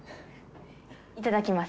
いただきます。